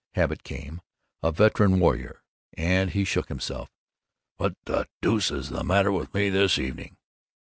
Habit came, a veteran warrior; and he shook himself. "What the deuce is the matter with me, this evening?"